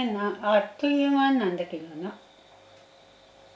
あっという間なんだけどな。